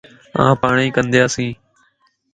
آن پاڻئين ڪندياس